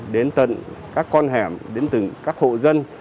đến tận các con hẻm đến từng các hộ dân